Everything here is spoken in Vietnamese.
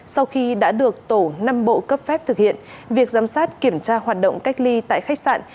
sau khi đã được tổ năm bộ cấp phép thực hiện việc giám sát kiểm tra hoạt động cách ly tại khách sạn